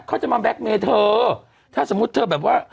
เขาจะมาแล็กเมย์เธอถ้าสมมุติเธอแบบว่า